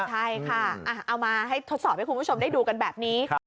ใช่ค่ะเอามาให้ทดสอบให้คุณผู้ชมได้ดูกันแบบนี้